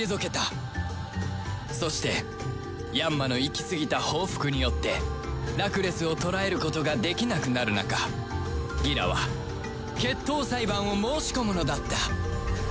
そしてヤンマのいきすぎた報復によってラクレスを捕らえることができなくなる中ギラは決闘裁判を申し込むのだったとさ